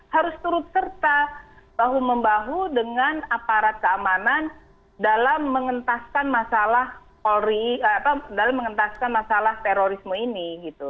harus turut serta bahu membahu dengan aparat keamanan dalam mengentaskan masalah terorisme ini